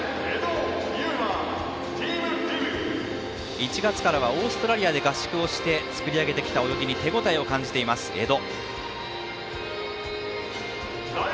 １月からはオーストラリアで合宿して作り上げてきた泳ぎを感じています、江戸。